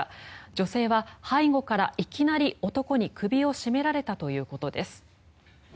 女性は背後から、いきなり男に首を絞められたということです。